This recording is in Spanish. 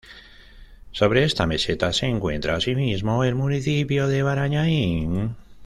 Sobre esta meseta se encuentra asimismo el municipio de Barañáin.